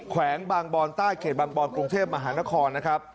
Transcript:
แขวงบางบอนใต้เขตบางบอนกรุงเทพมหานครนะครับ